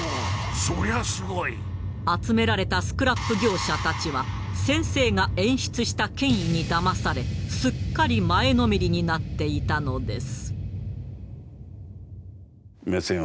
そりゃすごい！集められたスクラップ業者たちは先生が演出した権威にだまされすっかり前のめりになっていたのです。